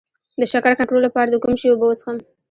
د شکر کنټرول لپاره د کوم شي اوبه وڅښم؟